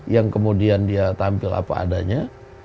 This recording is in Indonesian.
yang kemudian dia tampil apa adanya